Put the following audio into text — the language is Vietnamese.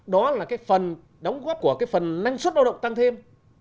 đó là cái phần đóng góp của cái phần năng suất lao động tăng thêm